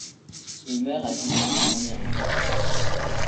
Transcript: Il meurt à Dublin en Irlande.